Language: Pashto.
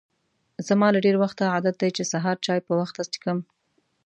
زما له ډېر وخته عادت دی چې سهار چای په وخته څښم.